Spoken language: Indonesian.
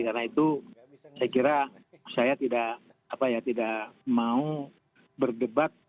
karena itu saya kira saya tidak mau berdebat